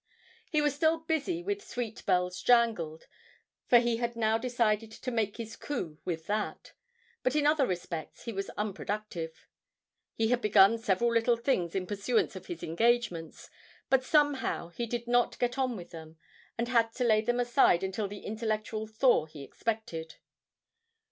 He was still busy with 'Sweet Bells Jangled,' for he had now decided to make his coup with that, but in other respects he was unproductive. He had begun several little things in pursuance of his engagements, but somehow he did not get on with them, and had to lay them aside until the intellectual thaw he expected.